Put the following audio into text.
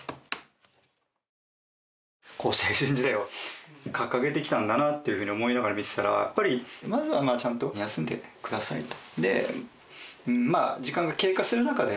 青春時代をかかげてきたんだなっていうふうに思いながら見てたらやっぱりまずはちゃんと休んでくださいと。